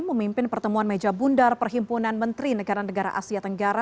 memimpin pertemuan meja bundar perhimpunan menteri negara negara asia tenggara